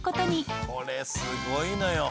「これすごいのよ」